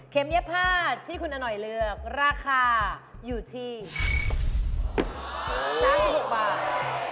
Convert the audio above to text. เย็บผ้าที่คุณอนอยเลือกราคาอยู่ที่๓๖บาท